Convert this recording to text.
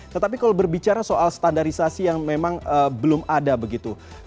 tetapi kalau berbicara soal standarisasi yang memang belum ada begitu